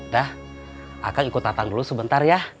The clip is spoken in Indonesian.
dah akan ikut datang dulu sebentar ya